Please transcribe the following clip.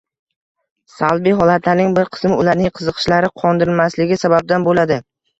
– salbiy holatlarning bir qismi ularning qiziqishlari qondirilmasligi sababidan bo‘ladi.